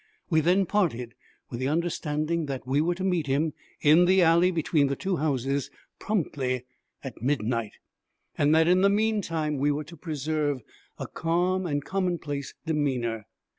We then parted, with the understanding that we were to meet him in the alley between the two houses promptly at midnight, and that in the meantime, we were to preserve a calm and commonplace demeanor.